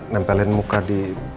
nempelin muka di